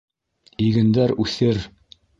Игендәр үҫер.